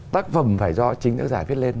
tác phẩm phải do chính tác giả viết lên